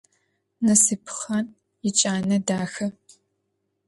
Насыпхъан иджанэ дахэ.